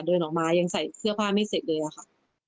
เดินออกมายังใส่เสื้อผ้าไม่เสร็จเลยอะค่ะ